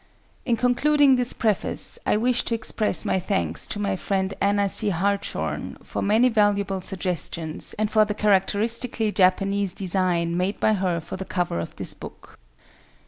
In concluding this preface, I wish to express my thanks to my friend Anna C. Hartshorne for many valuable suggestions and for the characteristically Japanese design made by her for the cover of this book.